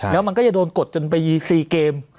แล้วมันก็จะโดนกดจนไป๔เกม